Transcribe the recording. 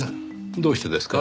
どうしてですか？